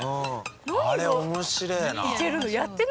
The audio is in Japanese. あれ面白えな。